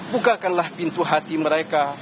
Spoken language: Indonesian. bukakanlah pintu hati mereka